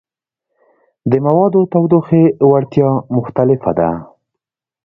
د موادو تودوخې وړتیا مختلفه ده.